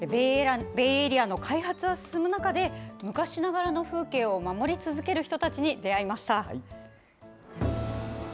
ベイエリアの開発が進む中で、昔ながらの風景を守り続ける人たちに出会いました。